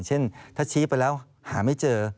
เช่นถ้าชี้ไปแล้วหาไม่เจอ